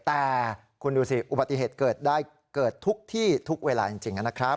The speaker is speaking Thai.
แต่คุณดูสิอุบัติเหตุเกิดได้เกิดทุกที่ทุกเวลาจริงนะครับ